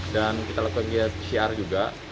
dan kita lakukan kegiatan pcr juga